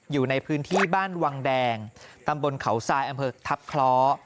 อยู่ในพื้นที่บ้านวังแดงตำบลเขาทรายอำเภอทัพคล้อ